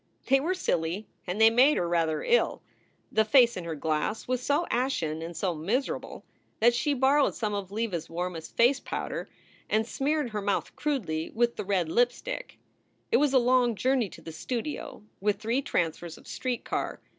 They were silly and they made her rather ill. The face in her glass was so ashen and so miserable that she borrowed some of Leva s warmest face powder; and smeared her mouth crudely with the red lip stick. It was a long journey to the studio, with three transfers of street car.